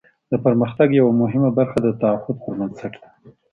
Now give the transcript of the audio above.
د پرمختګ یوه مهمه برخه د تعهد پر بنسټ ده.